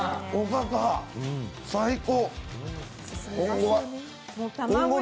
最高。